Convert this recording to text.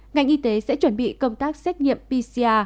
ngành y tế sẽ chuẩn bị công tác xét nghiệm pcr